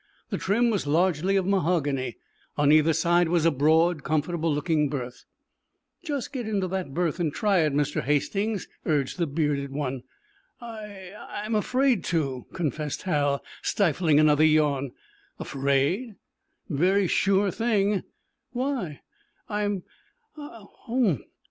The trim was largely of mahogany. On either side was a broad, comfortable looking berth. "Just get into that berth and try it, Mr. Hastings," urged the bearded one. "I—I'm afraid to," confessed Hal, stifling another yawn. "Afraid?" "Very sure thing!" "Why?" "I'm—hah ho hum!"